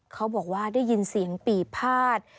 เขาบอกว่าได้ยินเสียงปี่พาด